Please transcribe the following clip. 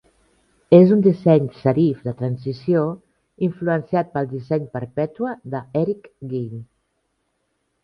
És un disseny serif de transició, influenciat pel disseny Perpètua de Eric Gill.